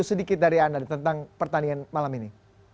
sedikit dari anda tentang pertandingan malam ini